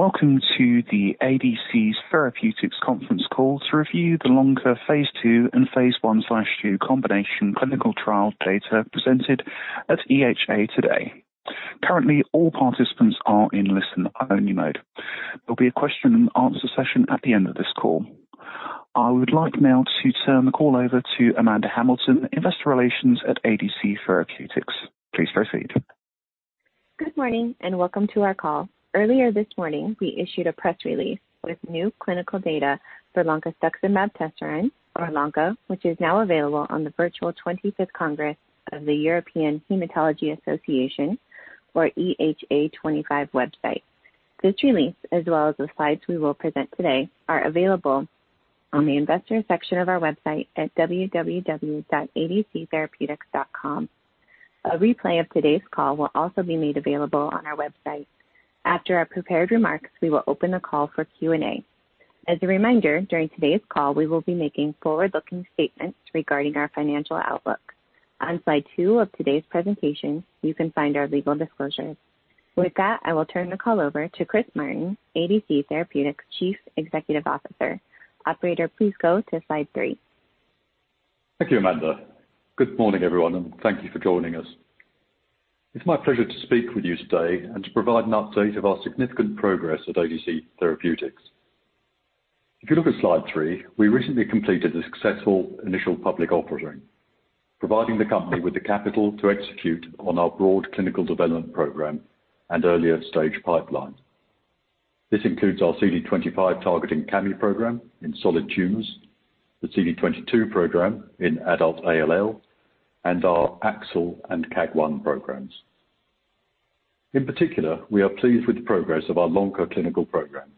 Welcome to the ADC Therapeutics Conference Call to review the LONCA phase II and phase I/II combination clinical trial data presented at EHA today. Currently, all participants are in listen-only mode. There'll be a question and answer session at the end of this call. I would like now to turn the call over to Amanda Hamilton, investor relations at ADC Therapeutics. Please proceed. Good morning and welcome to our call. Earlier this morning, we issued a press release with new clinical data for loncastuximab tesirine, or LONCA, which is now available on the virtual 25th Congress of the European Hematology Association, or EHA25 website. This release, as well as the slides we will present today, are available on the investor section of our website at www.adctherapeutics.com. A replay of today's call will also be made available on our website. After our prepared remarks, we will open the call for Q&A. As a reminder, during today's call, we will be making forward-looking statements regarding our financial outlook. On slide two of today's presentation, you can find our legal disclosures. With that, I will turn the call over to Chris Martin, ADC Therapeutics Chief Executive Officer. Operator, please go to slide three. Thank you, Amanda. Good morning, everyone, thank you for joining us. It's my pleasure to speak with you today and to provide an update of our significant progress at ADC Therapeutics. If you look at slide three, we recently completed a successful initial public offering, providing the company with the capital to execute on our broad clinical development program and earlier-stage pipeline. This includes our CD25 targeting CAMI program in solid tumors, the CD22 program in adult ALL, our AXL and KAAG1 programs. In particular, we are pleased with the progress of our LONCA clinical program.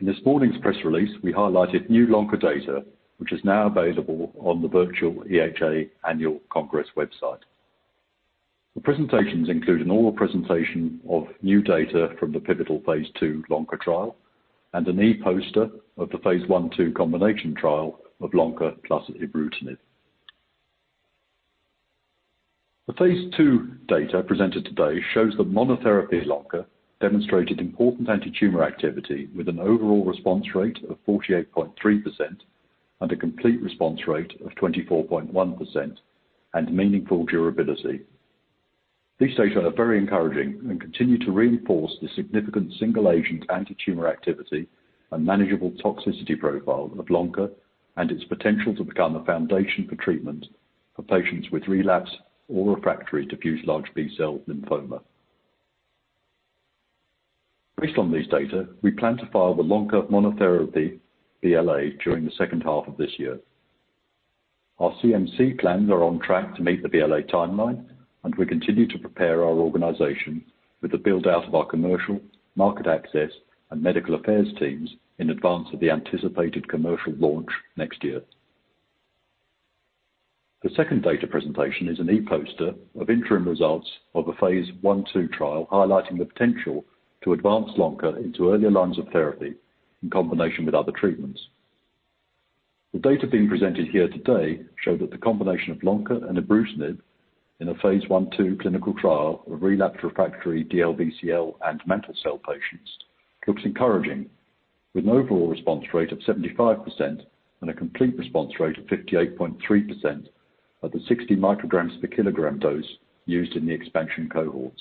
In this morning's press release, we highlighted new LONCA data, which is now available on the virtual EHA Annual Congress website. The presentations include an oral presentation of new data from the pivotal phase II LONCA trial and an e-poster of the phase I/II combination trial of LONCA plus ibrutinib. The phase II data presented today shows that monotherapy LONCA demonstrated important antitumor activity with an overall response rate of 48.3% and a complete response rate of 24.1% and meaningful durability. These data are very encouraging and continue to reinforce the significant single-agent antitumor activity and manageable toxicity profile of LONCA and its potential to become the foundation for treatment for patients with relapsed or refractory diffuse large B-cell lymphoma. Based on these data, we plan to file the LONCA monotherapy BLA during the H2 of this year. Our CMC plans are on track to meet the BLA timeline, and we continue to prepare our organization with the build-out of our commercial, market access, and medical affairs teams in advance of the anticipated commercial launch next year. The second data presentation is an e-poster of interim results of a phase I/II trial highlighting the potential to advance LONCA into earlier lines of therapy in combination with other treatments. The data being presented here today show that the combination of LONCA and ibrutinib in a phase I/II clinical trial of relapse-refractory DLBCL and mantle cell patients looks encouraging, with an overall response rate of 75% and a complete response rate of 58.3% at the 60 micrograms per kilogram dose used in the expansion cohorts.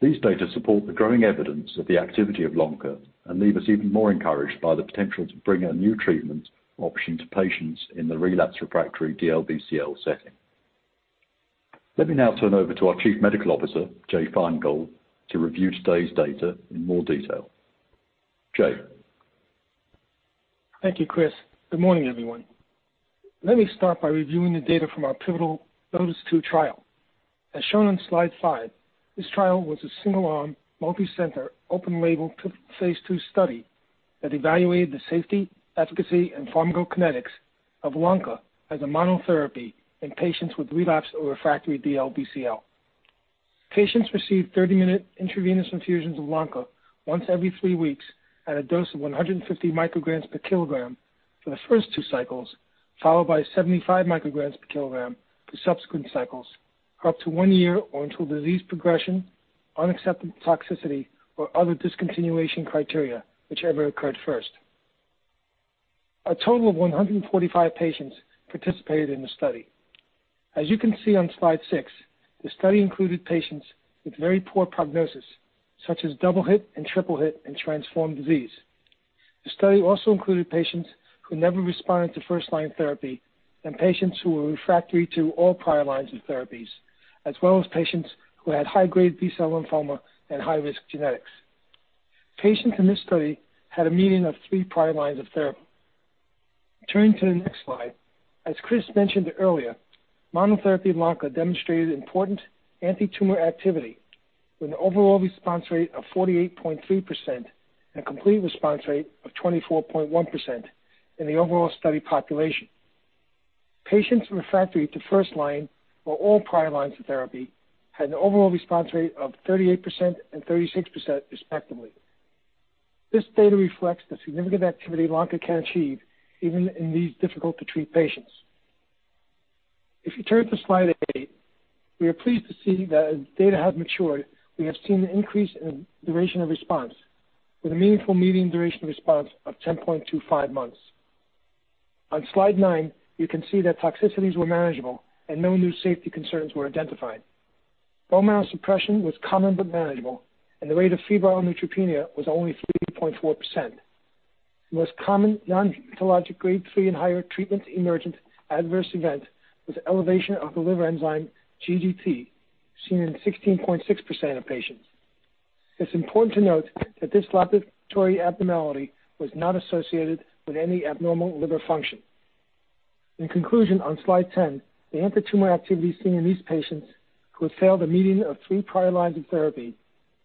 These data support the growing evidence of the activity of LONCA and leave us even more encouraged by the potential to bring a new treatment option to patients in the relapse-refractory DLBCL setting. Let me now turn over to our Chief Medical Officer, Jay Feingold, to review today's data in more detail. Jay. Thank you, Chris. Good morning, everyone. Let me start by reviewing the data from our pivotal phase II trial. As shown on slide five, this trial was a single-arm, multicenter, open-label, phase II study that evaluated the safety, efficacy, and pharmacokinetics of LONCA as a monotherapy in patients with relapsed or refractory DLBCL. Patients received 30-minute intravenous infusions of LONCA once every three weeks at a dose of 150 micrograms per kilogram for the first two cycles, followed by 75 micrograms per kilogram for subsequent cycles, up to one year or until disease progression, unacceptable toxicity, or other discontinuation criteria, whichever occurred first. A total of 145 patients participated in the study. As you can see on slide six, the study included patients with very poor prognosis, such as double hit and triple hit in transformed disease. The study also included patients who never responded to first-line therapy and patients who were refractory to all prior lines of therapies, as well as patients who had high-grade B-cell lymphoma and high-risk genetics. Patients in this study had a median of three prior lines of therapy. Turning to the next slide, as Chris mentioned earlier, monotherapy LONCA demonstrated important antitumor activity with an overall response rate of 48.3% and a complete response rate of 24.1% in the overall study population. Patients refractory to first line or all prior lines of therapy had an overall response rate of 38% and 36%, respectively. This data reflects the significant activity LONCA can achieve even in these difficult-to-treat patients. If you turn to slide eight, we are pleased to see that as data has matured, we have seen an increase in duration of response with a meaningful median duration response of 10.25 months. On slide nine, you can see that toxicities were manageable and no new safety concerns were identified. Bone marrow suppression was common but manageable, and the rate of febrile neutropenia was only 3.4%. The most common non-hematologic grade 3 and higher treatment-emergent adverse event was elevation of the liver enzyme GGT, seen in 16.6% of patients. It's important to note that this laboratory abnormality was not associated with any abnormal liver function. In conclusion, on slide 10, the anti-tumor activity seen in these patients who have failed a median of three prior lines of therapy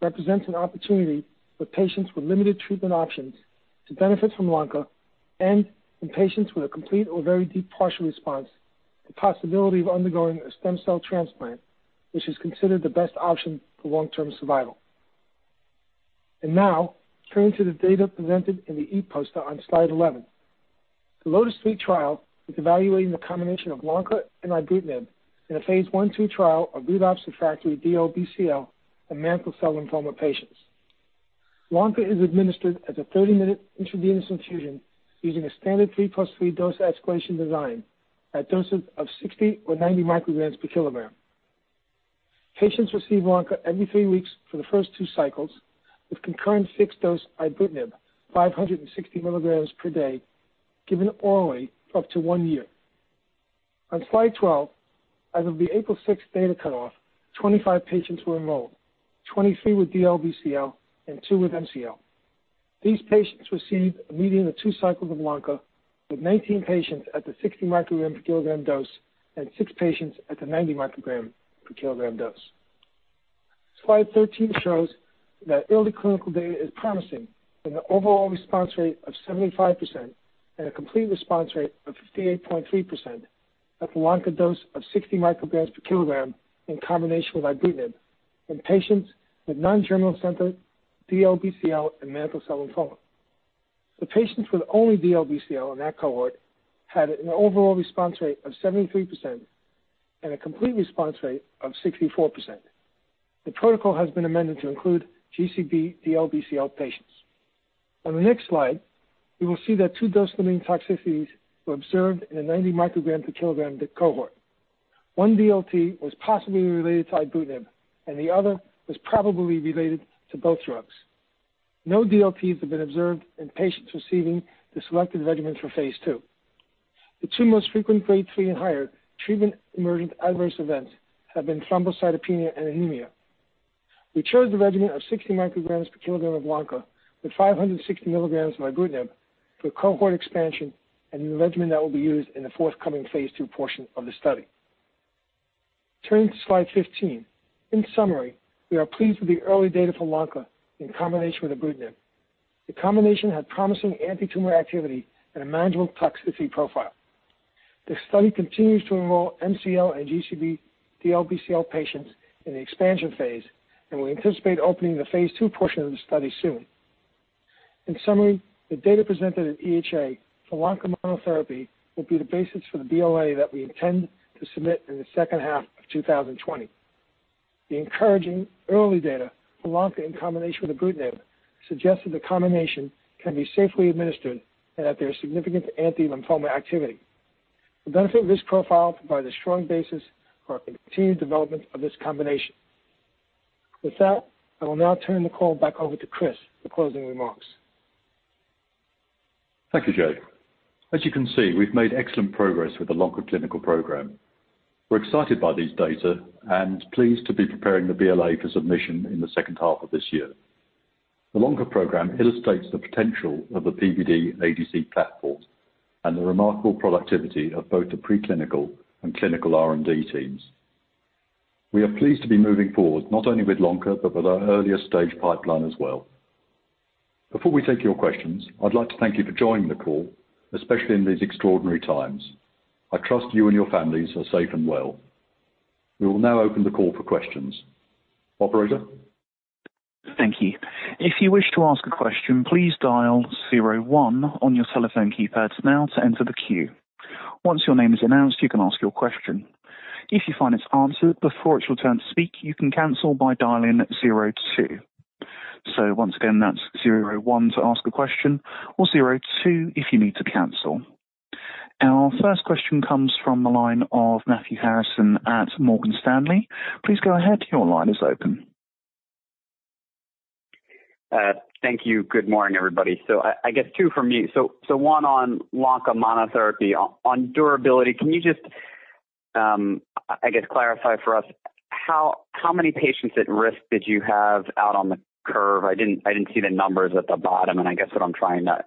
represents an opportunity for patients with limited treatment options to benefit from LONCA and, in patients with a complete or very deep partial response, the possibility of undergoing a stem cell transplant, which is considered the best option for long-term survival. Now, turning to the data presented in the e-poster on slide 11. The LOTIS-3 trial is evaluating the combination of LONCA and ibrutinib in a phase I/II trial of relapsed/refractory DLBCL and mantle cell lymphoma patients. LONCA is administered as a 30-minute intravenous infusion using a standard three plus three dose escalation design at doses of 60 or 90 micrograms per kilogram. Patients receive LONCA every three weeks for the first two cycles, with concurrent fixed-dose ibrutinib, 560 milligrams per day, given orally up to one year. On slide 12, as of the April 6 data cutoff, 25 patients were enrolled, 23 with DLBCL and two with MCL. These patients received a median of two cycles of LONCA, with 19 patients at the 60 microgram per kilogram dose and six patients at the 90 microgram per kilogram dose. Slide 13 shows that early clinical data is promising, with an overall response rate of 75% and a complete response rate of 58.3% at the LONCA dose of 60 micrograms per kilogram in combination with ibrutinib in patients with non-germinal center DLBCL and mantle cell lymphoma. The patients with only DLBCL in that cohort had an overall response rate of 73% and a complete response rate of 64%. The protocol has been amended to include GCB DLBCL patients. On the next slide, we will see that two dose-limiting toxicities were observed in a 90 microgram per kilogram cohort. One DLT was possibly related to ibrutinib, and the other was probably related to both drugs. No DLTs have been observed in patients receiving the selected regimen for Phase II. The two most frequent grade 3 and higher treatment-emergent adverse events have been thrombocytopenia and anemia. We chose the regimen of 60 micrograms per kilogram of LONCA with 560 mg of ibrutinib for cohort expansion and the regimen that will be used in the forthcoming Phase II portion of the study. Turning to slide 15. In summary, we are pleased with the early data for LONCA in combination with ibrutinib. The combination had promising anti-tumor activity and a manageable toxicity profile. This study continues to enroll MCL and GCB DLBCL patients in the expansion phase, and we anticipate opening the Phase II portion of the study soon. In summary, the data presented at EHA for LONCA monotherapy will be the basis for the BLA that we intend to submit in the H2 of 2020. The encouraging early data for LONCA in combination with ibrutinib suggests that the combination can be safely administered and that there is significant anti-lymphoma activity. The benefit of this profile provides a strong basis for our continued development of this combination. With that, I will now turn the call back over to Chris for closing remarks. Thank you, Jay. As you can see, we've made excellent progress with the LONCA clinical program. We're excited by these data and pleased to be preparing the BLA for submission in the H2 of this year. The LONCA program illustrates the potential of the PBD ADC platform and the remarkable productivity of both the preclinical and clinical R&D teams. We are pleased to be moving forward not only with LONCA but with our earlier-stage pipeline as well. Before we take your questions, I'd like to thank you for joining the call, especially in these extraordinary times. I trust you and your families are safe and well. We will now open the call for questions. Operator? Thank you. If you wish to ask a question, please dial zero one on your telephone keypads now to enter the queue. Once your name is announced, you can ask your question. If you find it's answered before it's your turn to speak, you can cancel by dialing zero two. Once again, that's zero one to ask a question or zero two if you need to cancel. Our first question comes from the line of Matthew Harrison at Morgan Stanley. Please go ahead. Your line is open. Thank you. Good morning, everybody. I guess two from me. One on LONCA monotherapy. On durability, can you just, I guess, clarify for us how many patients at risk did you have out on the curve? I didn't see the numbers at the bottom, and I guess what I'm trying to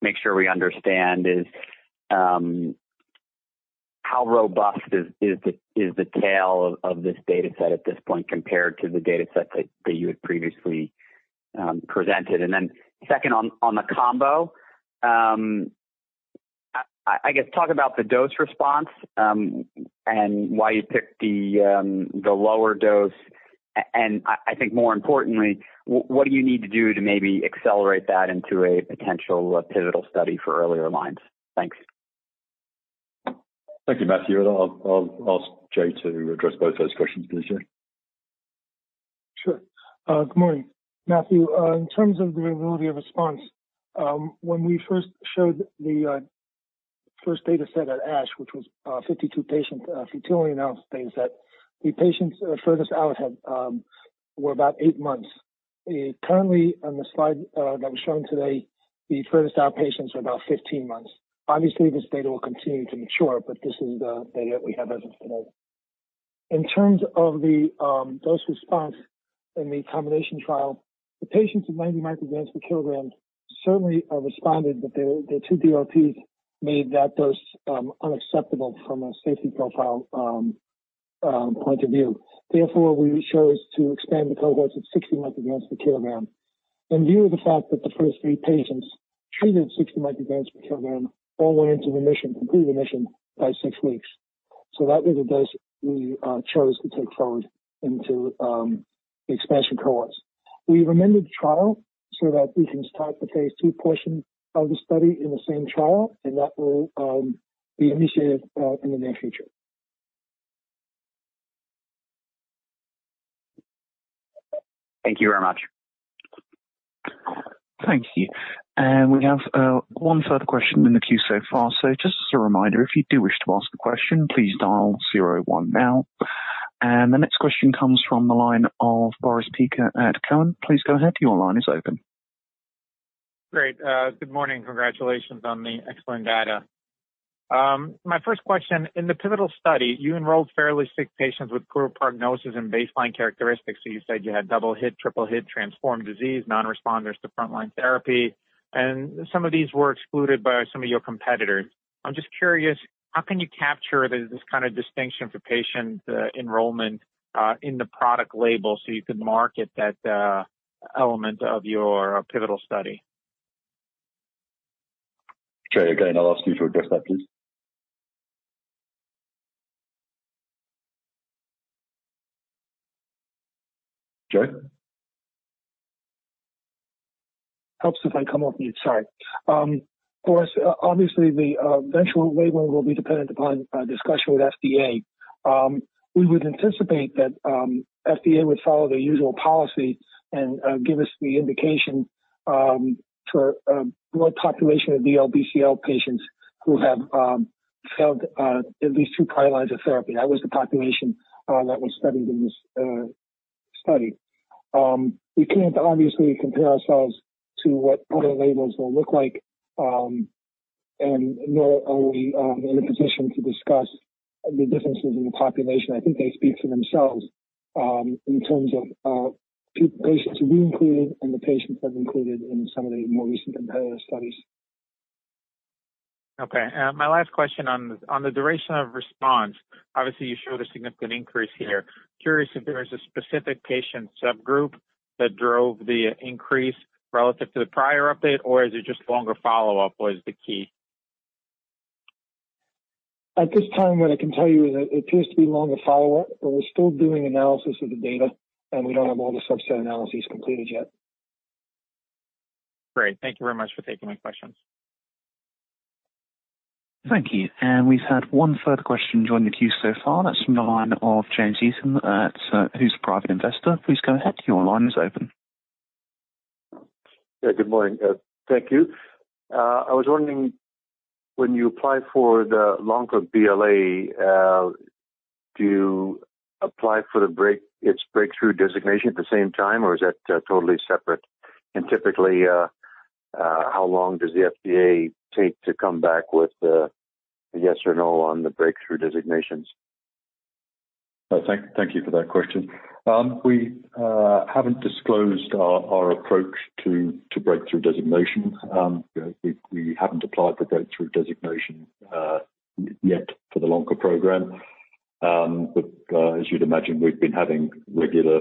make sure we understand is how robust is the tail of this data set at this point compared to the data set that you had previously presented? Second, on the combo, I guess, talk about the dose response and why you picked the lower dose. I think more importantly, what do you need to do to maybe accelerate that into a potential pivotal study for earlier lines? Thanks. Thank you, Matthew. I'll ask Joe to address both those questions. Please, Joe. Sure. Good morning, Matthew. In terms of the durability of response, when we first showed the first data set at ASH, which was 52 patients, a few trillion things that the patients furthest out were about eight months. Currently, on the slide that I'm showing today, the furthest out patients are about 15 months. Obviously, this data will continue to mature. This is the data we have as of today. In terms of the dose response in the combination trial, the patients at 90 micrograms per kilogram certainly responded. The two DLTs made that dose unacceptable from a safety profile point of view. Therefore, we chose to expand the cohorts at 60 micrograms per kilogram. In view of the fact that the first three patients treated at 60 micrograms per kilogram all went into remission, complete remission by six weeks. That was the dose we chose to take forward into the expansion cohorts. We've amended the trial so that we can start the phase II portion of the study in the same trial, and that will be initiated in the near future. Thank you very much. Thank you. We have one further question in the queue so far. Just as a reminder, if you do wish to ask a question, please dial zero one now. The next question comes from the line of Boris Peaker at Cowen. Please go ahead. Your line is open. Great. Good morning. Congratulations on the excellent data. My first question, in the pivotal study, you enrolled fairly sick patients with poor prognosis and baseline characteristics. You said you had double hit, triple hit, transformed disease, non-responders to frontline therapy, and some of these were excluded by some of your competitors. I'm just curious, how can you capture this kind of distinction for patient enrollment in the product label so you can market that element of your pivotal study? Joe, again, I'll ask you to address that, please. Joe? Helps if I come off mute. Sorry. Boris, obviously the eventual label will be dependent upon discussion with FDA. We would anticipate that FDA would follow their usual policy and give us the indication for a broad population of DLBCL patients who have failed at least two prior lines of therapy. That was the population that was studied in this study. We can't obviously compare ourselves to what other labels will look like. Nor are we in a position to discuss the differences in the population. I think they speak for themselves in terms of patients we included and the patients that are included in some of the more recent competitive studies. Okay. My last question on the duration of response. Obviously, you showed a significant increase here. Curious if there is a specific patient subgroup that drove the increase relative to the prior update, or is it just longer follow-up was the key? At this time, what I can tell you is that it appears to be longer follow-up, but we're still doing analysis of the data, and we don't have all the subset analyses completed yet. Great. Thank you very much for taking my questions. Thank you. We've had one further question join the queue so far. That's from the line of James Easton, who's a private investor. Please go ahead. Your line is open. Yeah, good morning. Thank you. I was wondering, when you apply for the LONCA BLA, do you apply for its breakthrough designation at the same time, or is that totally separate? Typically, how long does the FDA take to come back with a yes or no on the breakthrough designations? Thank you for that question. We haven't disclosed our approach to breakthrough designation. We haven't applied for breakthrough designation yet for the LONCA program. As you'd imagine, we've been having regular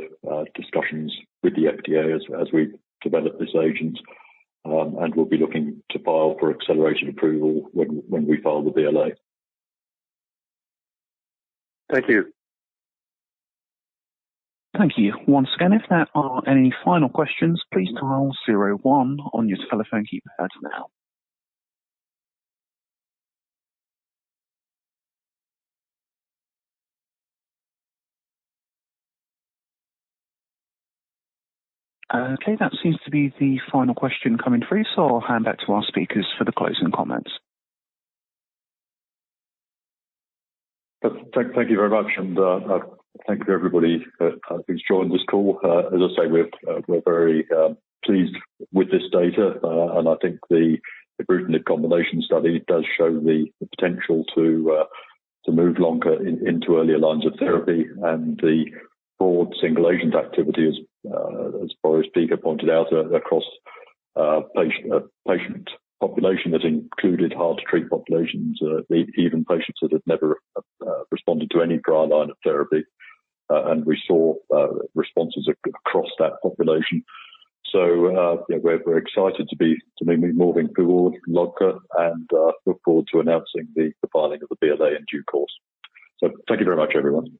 discussions with the FDA as we develop these agents, and we'll be looking to file for accelerated approval when we file the BLA. Thank you. Thank you. Once again, if there are any final questions, please dial zero one on your telephone keypad now. Okay, that seems to be the final question coming through. I'll hand back to our speakers for the closing comments. Thank you very much, thank you to everybody who's joined this call. As I say, we're very pleased with this data. I think the ibrutinib combination study does show the potential to move LONCA into earlier lines of therapy and the broad single-agent activity, as Boris Peaker pointed out, across a patient population that included hard-to-treat populations, even patients that had never responded to any prior line of therapy. We saw responses across that population. We're excited to be moving forward with LONCA and look forward to announcing the filing of the BLA in due course. Thank you very much, everyone.